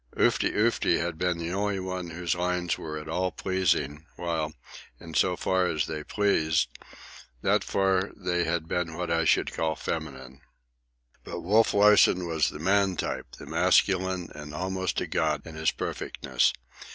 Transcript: Oofty Oofty had been the only one whose lines were at all pleasing, while, in so far as they pleased, that far had they been what I should call feminine. But Wolf Larsen was the man type, the masculine, and almost a god in his perfectness.